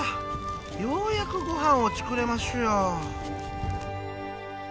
ようやくごはんを作れますよ。